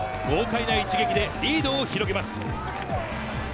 豪快な一撃でリードを広げます。